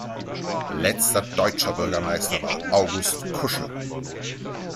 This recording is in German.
Letzter deutscher Bürgermeister war August Kuschel.